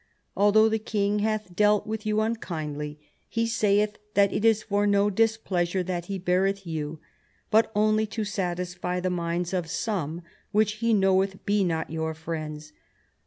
Although the king hath dealt with you unkindly, he saith that it is for no dis pleasure that he beareth you, but only to satisfy the minds of some which he knoweth be not your friends.